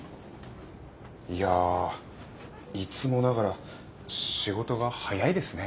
いやいつもながら仕事が早いですね。